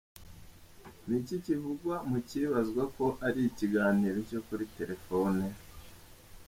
Ni iki kivugwa mu cyibazwa ko ari ikiganiro cyo kuri telefone? .